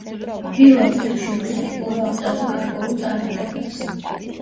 პირველ წლებში რუსეთი კვლავ აღწევდა გარკვეულ წარმატებებს.